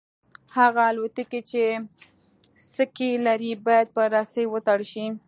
هغه الوتکې چې سکي لري باید په رسۍ وتړل شي